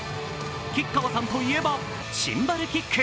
吉川さんといえばシンバルキック。